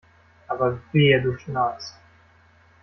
Aber wehe du schnarchst!